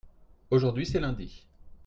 aujourd'hui c'est lundi.